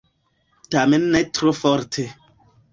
Tamen ne tro forte.